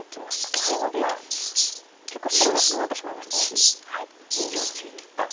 やはりノビは結構白が薄くなってしまうんですね。